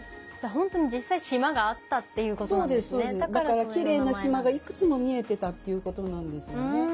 だからきれいな島がいくつも見えてたっていうことなんですよね。